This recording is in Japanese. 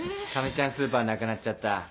ちゃんスーパーなくなっちゃった。